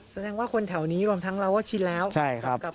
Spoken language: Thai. แสดงว่าคนแถวนี้รวมทั้งเราก็ชินแล้วใช่ครับ